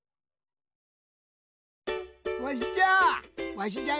わしじゃ！